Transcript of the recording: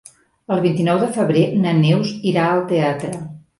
El vint-i-nou de febrer na Neus irà al teatre.